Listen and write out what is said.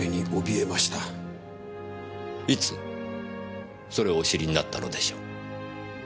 いつそれをお知りになったのでしょう？